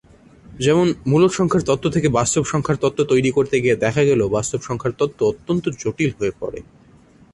যেমন মূলদ সংখ্যার তত্ত্ব থেকে বাস্তব সংখ্যার তত্ত্ব তৈরি করতে গিয়ে দেখা গেল বাস্তব সংখ্যার তত্ত্ব অত্যন্ত জটিল হয়ে পড়ে।